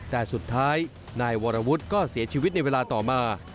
แต่สุดท้ายนายวรวุฒิก็เสียชีวิตในเวลาต่อมา